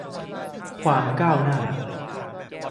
ความก้าวหน้า